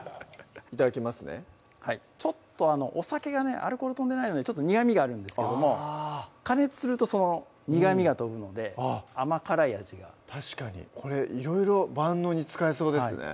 頂きますねちょっとお酒がねアルコール飛んでないので苦みがあるんですけども加熱するとその苦みが飛ぶので甘辛い味が確かにこれいろいろ万能に使えそうですね